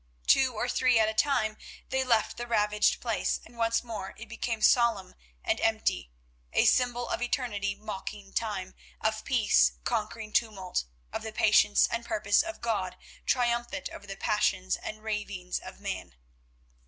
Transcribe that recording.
Two or three at a time they left the ravaged place, and once more it became solemn and empty; a symbol of Eternity mocking Time, of Peace conquering Tumult, of the Patience and Purpose of God triumphant over the passions and ravings of Man.